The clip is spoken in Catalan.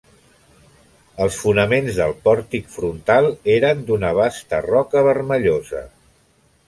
Els fonaments del pòrtic frontal eren d'una basta roca vermellosa.